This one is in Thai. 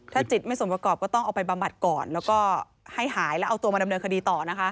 ถ้าจิตไม่สมประกอบก็ต้องเอาไปบำบัดก่อนแล้วก็ให้หายแล้วเอาตัวมาดำเนินคดีต่อนะคะ